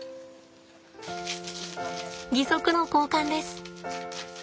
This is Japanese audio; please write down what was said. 義足の交換です。